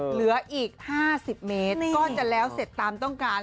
เหลืออีก๕๐เมตรก็จะแล้วเสร็จตามต้องการ